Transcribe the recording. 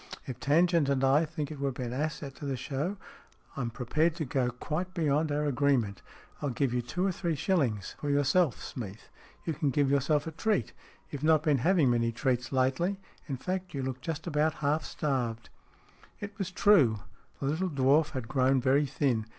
If Tangent and I think it would be an asset to the show, I am prepared to go quite beyond our agree ment. I'll give you two or three shillings for 38 STORIES IN GREY yourself, Smeath. You can give yourself a treat. You've not been having many treats lately ; in fact, you look just about half starved." It was true. The little dwarf had grown very thin.